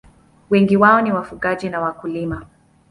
Wengi wao ni wafugaji na wakulima.